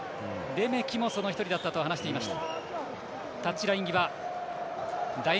レメキもその１人だったと話していました。